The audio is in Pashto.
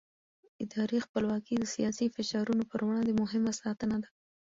اداري خپلواکي د سیاسي فشارونو پر وړاندې مهمه ساتنه ده